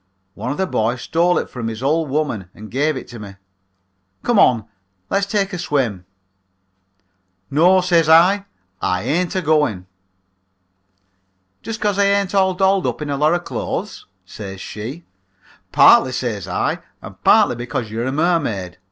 One of the boys stole it from his old woman and gave it to me. Come on, let's take a swim.' "'No,' says I, 'I ain't agoing.' "'Just 'cause I ain't all dolled up in a lot of clothes?' says she. "'Partly,' says I, 'and partly because you are a mermaid.